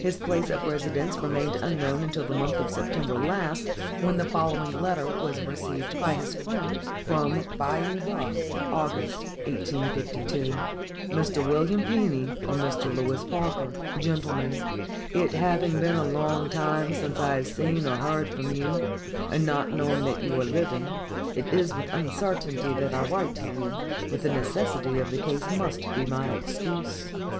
His place of residence remained unknown until the month of September last, when the following letter was received by his friends: Bayou Beouf, August, 1852. MR. WILLIAM PENY, or MR. LEWIS PARKER. GENTLEMEN: It having been a long time since I have seen or heard from you, and not knowing that you are living, it is with uncertainty that I write to you; but the necessity of the case must be my excuse.